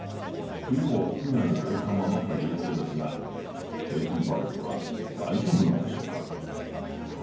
冬も屋外に置いたままということですがケープバルブは大丈夫なんでしょうか？